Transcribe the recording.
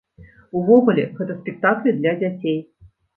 Увогуле, гэта спектаклі для дзяцей.